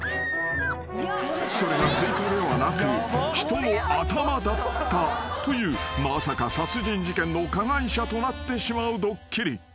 ［それがスイカではなく人の頭だったというまさか殺人事件の加害者となってしまうドッキリ］